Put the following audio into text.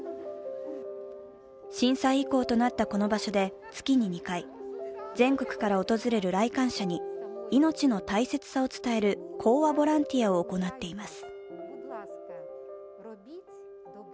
震災遺構となったこの場所で月に２回、全国から訪れる来館者に命の大切さを伝える講話ボランティアを行っています。